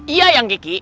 iya yang ki